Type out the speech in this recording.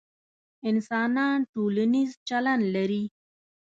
انسانان ټولنیز چلند لري،